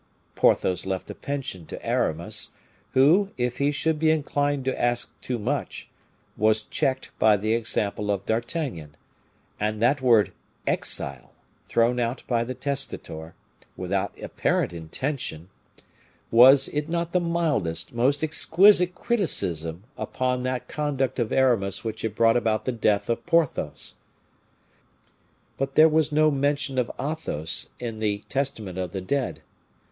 Porthos left a pension to Aramis, who, if he should be inclined to ask too much, was checked by the example of D'Artagnan; and that word exile, thrown out by the testator, without apparent intention, was it not the mildest, most exquisite criticism upon that conduct of Aramis which had brought about the death of Porthos? But there was no mention of Athos in the testament of the dead.